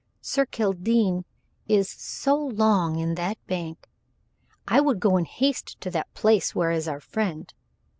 Sir Kildene is so long in that bank! I would go in haste to that place where is our friend.